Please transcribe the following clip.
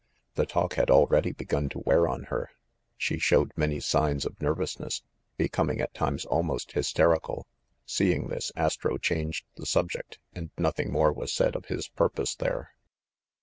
The talk had already begun to wear on her. She showed many signs of nervousness, becoming at times almost hysterical. Seeing this, Astro changed the subject, and nothing more was said of his purpose there.